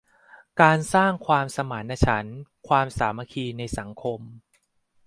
การสร้างความสมานฉันท์ ความสามัคคีในสังคม